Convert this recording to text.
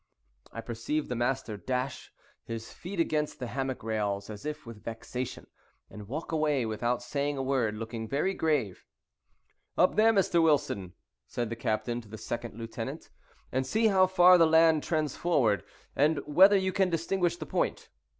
I perceived the master dash his feet against the hammock rails, as if with vexation, and walk away without saying a word, looking very grave. "Up there, Mr. Wilson," said the captain to the second lieutenant, "and see how far the land trends forward, and whether you can distinguish the point."